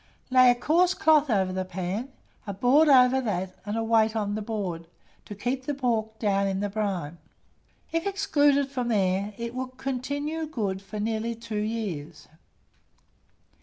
Lay a coarse cloth over the pan, a board over that, and a weight on the board, to keep the pork down in the brine. If excluded from the air, it will continue good for nearly 2 years.